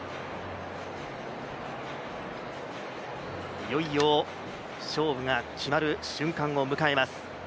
いよいよ勝負が決まる瞬間を迎えます。